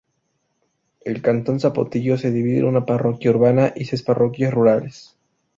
El cantón Zapotillo se divide en una parroquia Urbana y seis parroquias rurales.